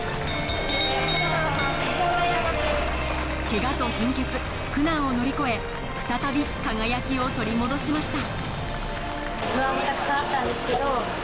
ケガと貧血苦難を乗り越え再び輝きを取り戻しました